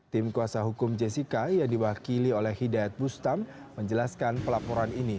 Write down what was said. tim kuasa hukum jessica yang diwakili oleh hidayat bustam menjelaskan pelaporan ini